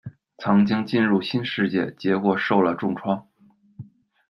曾经进入新世界，结果受了重创。